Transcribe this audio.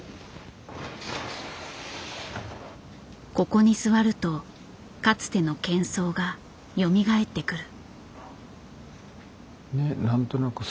ここに座るとかつての喧騒がよみがえってくる。